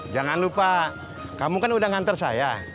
jangan lupa kamu kan udah nganter saya